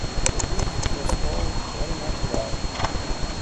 To me it was all very natural.